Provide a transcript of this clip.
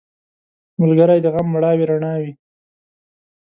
ملګری د غم مړاوې رڼا وي